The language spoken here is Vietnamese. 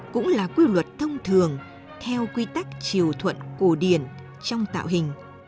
cũng là quy luật thông thường theo quy tắc chiều thuận cổ điển trong tạo hình